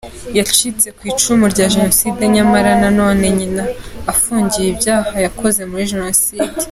Yacitse ku icumu rya Jenoside nyamara nanone nyina afungiwe ibyaha yakoze muri Jenoside.